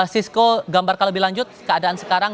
sisko gambarkan lebih lanjut keadaan sekarang